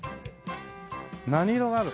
何色がある？